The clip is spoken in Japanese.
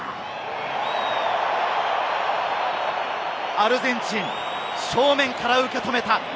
アルゼンチン、正面から受け止めた！